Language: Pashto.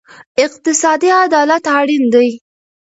اقتصادي عدالت اړین دی.